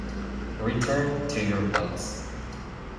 Return to your books.